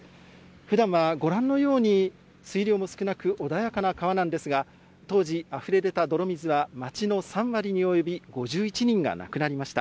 ふだんはご覧のように水量も少なく穏やかな川なんですが、当時、あふれ出た泥水は街の３割に及び、５１人が亡くなりました。